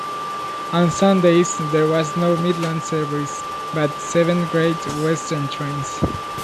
On Sundays, there was no Midland service, but seven Great Western trains.